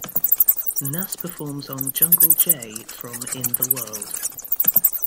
Nas performs on "Jungle Jay" from "In the World".